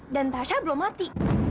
dan tasya belum mati